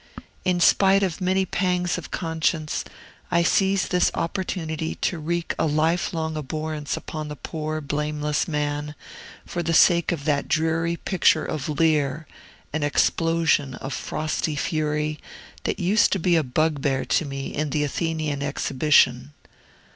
In spite of many pangs of conscience, I seize this opportunity to wreak a lifelong abhorrence upon the poor, blameless man, for the sake of that dreary picture of Lear, an explosion of frosty fury, that used to be a bugbear to me in the Athenaeum Exhibition.